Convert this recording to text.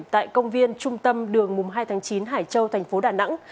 tại công viên trung tâm đường mùng hai tháng chín hải châu thành phố đà nẵng